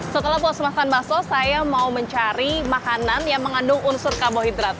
setelah puas masakan bakso saya mau mencari makanan yang mengandung unsur karbohidrat